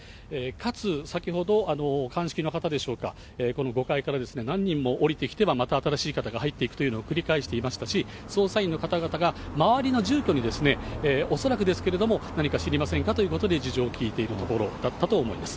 かつ先ほど、鑑識の方でしょうか、この５階から何人も降りてきては、また新しい方が入っていくというのを繰り返していましたし、捜査員の方々が周りの住居に、恐らくですけれども、何か知りませんかということで事情を聴いているところだったと思います。